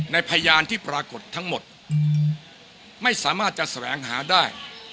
พยานที่ปรากฏทั้งหมดไม่สามารถจะแสวงหาได้